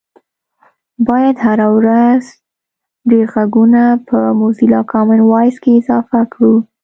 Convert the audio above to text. باید هره ورځ ډېر غږونه په موزیلا کامن وایس کې اضافه کړو